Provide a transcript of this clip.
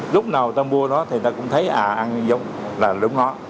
lúc nào ta mua đó thì ta cũng thấy à ăn giống là đúng đó